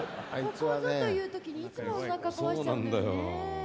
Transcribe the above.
ここぞという時にいつもおなか壊しちゃうんだよね。